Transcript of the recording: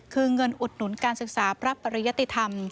คือเงินอุดหนุนการศึกษาพระปริยติธรรม